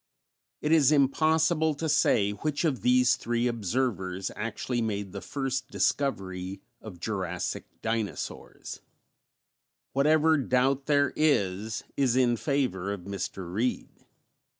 It is impossible to say which of these three observers actually made the first discovery of Jurassic dinosaurs; whatever doubt there is is in favor of Mr. Reed.